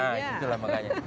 nah itulah makanya